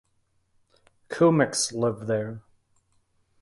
Kumyks live there.